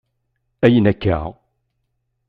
Ayyen akka!?